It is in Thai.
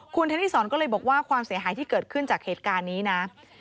คุณธนิสรก็เลยบอกว่าความเสียหายที่เกิดขึ้นจากเหตุการณ์นี้นะ